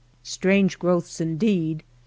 Strange growths indeed !